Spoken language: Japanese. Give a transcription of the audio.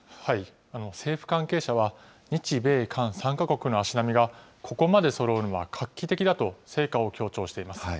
政府関係者は、日米韓３か国の足並みが、ここまでそろうのは画期的だと成果を強調しています。